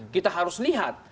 kita harus lihat